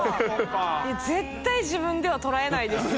絶対自分では捉えないですね